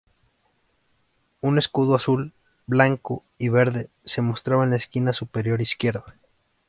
Un escudo azul, blanco y verde se mostraba en la esquina superior izquierda.